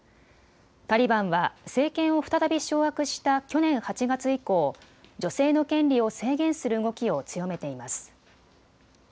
タリバンは政権を再び掌握した去年８月以降、女性の権利を制限する動きを強めています。